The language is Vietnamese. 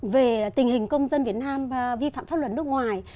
về tình hình công dân việt nam vi phạm pháp luật nước ngoài